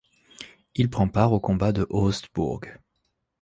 Il prend part aux combats de Oostbourg.